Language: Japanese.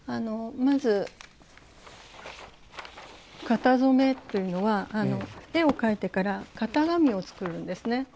まず型染めというのは絵を描いてから型紙を作るんですね。